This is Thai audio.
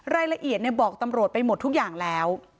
รายละเอียดบอกตำรวจไปหมดทุกอย่างแล้ว